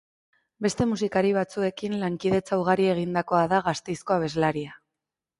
Beste musikari batzuekin lankidetza ugari egindakoa da Gasteizko abeslaria.